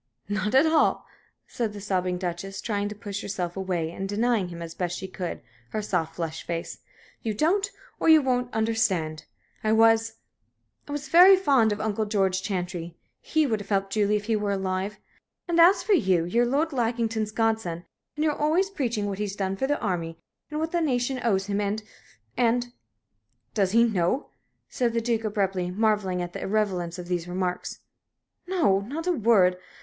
"Not at all," said the sobbing Duchess, trying to push herself away, and denying him, as best she could, her soft, flushed face. "You don't, or you won't, understand! I was I was very fond of Uncle George Chantrey. He would have helped Julie if he were alive. And as for you, you're Lord Lackington's godson, and you're always preaching what he's done for the army, and what the nation owes him and and " "Does he know?" said the Duke, abruptly, marvelling at the irrelevance of these remarks. "No, not a word.